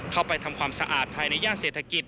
เข้าไปทำความสะอาดภายในย่านเศรษฐกิจ